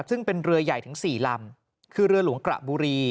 ซึ่งเป็นเรือใหญ่ถึง๔ลำคือเรือหลวงกระบุรี